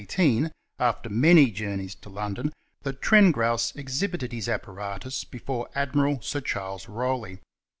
1818, after many journeys to London, that Tren grouse exhibited his apparatus before Admiral Sir Charles Rowley [q.